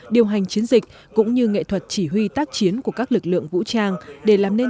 điều hành chiến dịch cũng như nghệ thuật chỉ huy tác chiến của các lực lượng vũ trang để làm nên